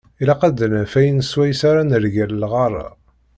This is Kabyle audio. Ilaq ad d-naf ayen swayes ara nergel lɣar-a.